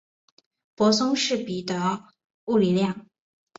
泊松式比的物理量。